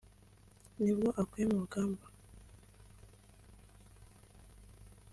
nibwo aguye mu rugamba